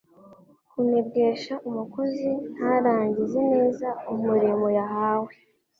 kunebwesha umukozi ntarangize neza umurimo yahawe.